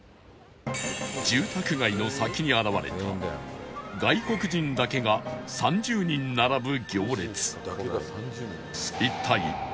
住宅街の先に現れた外国人だけが３０人並ぶ行列